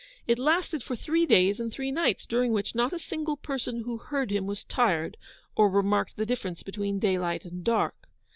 It lasted for three days and three nights, during which not a single person who heard him was tired, or remarked the difference between daylight and dark.